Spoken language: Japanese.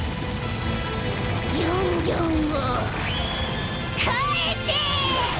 ギョンギョンをかえせ！